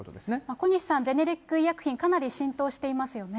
小西さん、ジェネリック医薬品、かなり浸透していますよね。